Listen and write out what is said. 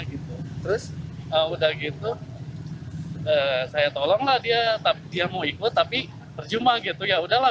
gitu terus udah gitu saya tolonglah dia tapi dia mau ikut tapi terjemah gitu ya udahlah